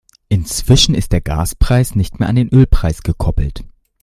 Inzwischen ist der Gaspreis nicht mehr an den Ölpreis gekoppelt.